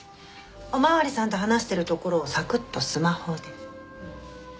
お巡りさんと話してるところをサクッとスマホで。